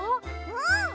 うん！